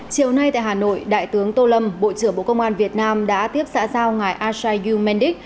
chiều nay tại hà nội đại tướng tô lâm bộ trưởng bộ công an việt nam đã tiếp xã giao ngài asha yu mendik